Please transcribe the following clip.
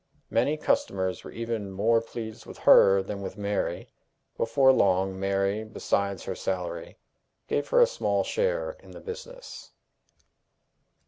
Many customers were even more pleased with her than with Mary. Before long, Mary, besides her salary, gave her a small share in the business.